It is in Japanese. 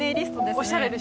おしゃれ。